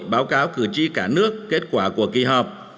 báo cáo cử tri cả nước kết quả của kỳ họp